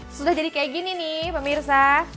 sudah jadi kayak gini nih pemirsa